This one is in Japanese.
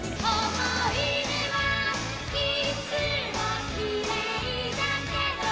「想い出はいつもキレイだけど」